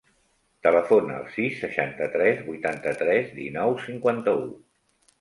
Telefona al sis, seixanta-tres, vuitanta-tres, dinou, cinquanta-u.